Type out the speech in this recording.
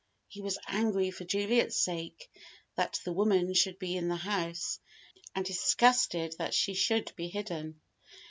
He was angry for Juliet's sake that the woman should be in the house, and disgusted that she should be hidden.